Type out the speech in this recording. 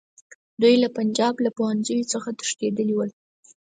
دوی له پنجاب له پوهنځیو څخه تښتېدلي ول.